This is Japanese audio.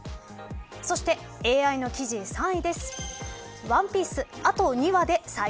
そしてＡＩの記事の３位です。